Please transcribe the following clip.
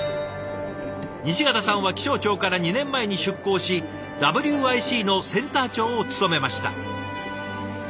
西潟さんは気象庁から２年前に出向しＷＩＣのセンター長を務めました。